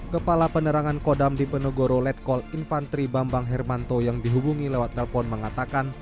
kepala penerangan kodam dipenegoro letkol infantri bambang hermanto yang dihubungi lewat telpon mengatakan